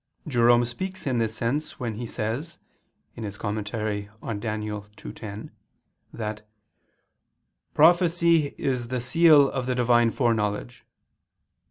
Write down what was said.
Jerome speaks in this sense when he says [*Comment. in Daniel ii, 10] that "prophecy is the seal of the Divine foreknowledge."